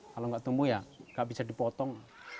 kalau nggak tumbuh ya nggak bisa dipotong